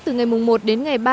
từ ngày một đến ngày bốn